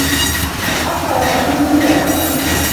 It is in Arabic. أَبْصَرَ الرَّجُلُ الْهِلاَلَ.